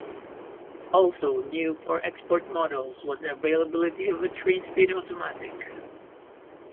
Also new for export models was the availability of a three-speed automatic.